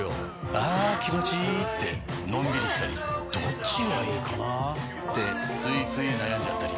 あ気持ちいいってのんびりしたりどっちがいいかなってついつい悩んじゃったり。